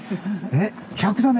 えっ１００座目？